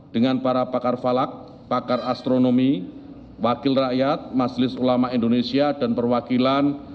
dengan para pakar falak pakar astronomi wakil rakyat majelis ulama indonesia dan perwakilan